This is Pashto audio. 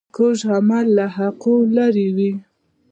کوږ عمل له حقایقو لیرې وي